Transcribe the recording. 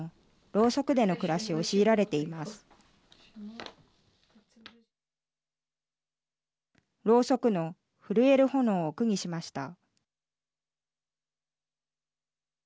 ろうそくの震える炎を句にしました。